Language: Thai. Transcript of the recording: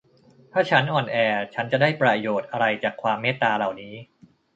ถ้าฉันอ่อนแอ ฉันจะได้ประโยชน์อะไรจากความเมตตาเหล่านี้